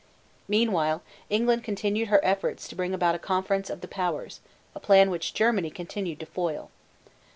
Meanwhile England continued her efforts to bring about a conference of the powers, a plan which Germany continued to foil.